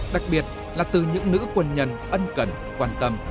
đặc biệt là từ những nữ quân nhân ân cần quan tâm